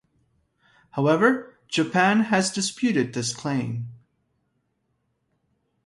However, Japan has disputed this claim.